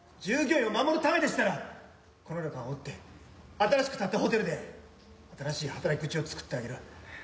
従業員を守るためでしたらこの旅館を売って新しく建ったホテルで新しい働き口を作ってあげる。